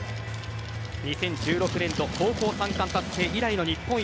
２０１６年と高校３冠達成以来の日本一。